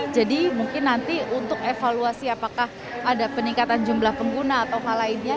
jadi mungkin nanti untuk evaluasi apakah ada peningkatan jumlah pengguna atau hal lainnya